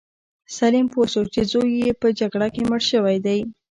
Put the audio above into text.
سلیم پوه شو چې زوی یې په جګړه کې مړ شوی دی.